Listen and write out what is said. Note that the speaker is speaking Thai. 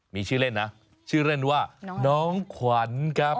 มีชื่อเล่นนะชื่อเล่นว่าน้องขวัญครับ